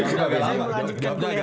saya melanjutkan kuliah saya